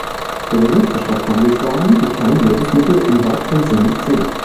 Der Begriff beschreibt Handelswaren, die kein Lebensmittel im weiteren Sinn sind.